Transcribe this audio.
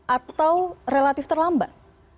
atau relatif terlambat